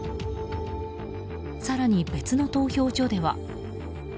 更に別の投票所では。